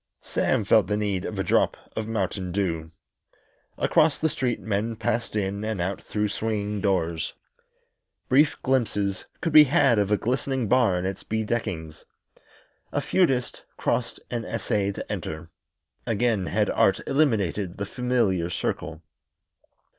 Sam felt the need of a drop of mountain dew. Across the street men passed in and out through swinging doors. Brief glimpses could be had of a glistening bar and its bedeckings. The feudist crossed and essayed to enter. Again had Art eliminated the familiar circle.